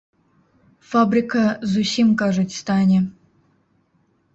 Фабрыка зусім, кажуць, стане.